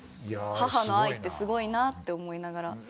母の愛ってすごいなって思いながら。